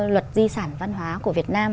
luật di sản văn hóa của việt nam